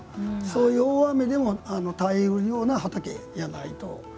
そういう大雨でも耐えるような畑やないと。